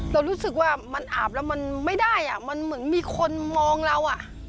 เรารู้สึกว่ามันอาบแล้วมันไม่ได้อ่ะมันเหมือนมีคนมองเราอ่ะ